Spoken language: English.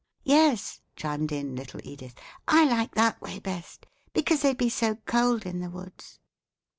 "Yes," chimed in little Edith; "I like that way best, because they'd be so cold in the woods."